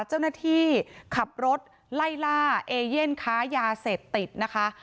เจ้าหน้าที่ขับรถไล่ล่าเอเย่นค้ายาเสพติดนะคะ